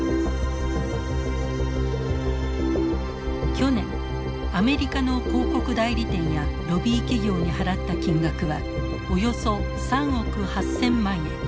去年アメリカの広告代理店やロビー企業に払った金額はおよそ３億８，０００万円。